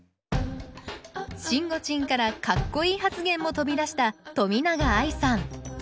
しんごちんからかっこいい発言も飛び出した冨永愛さん。